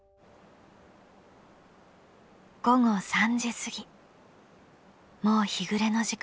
午後３時過ぎもう日暮れの時間だ。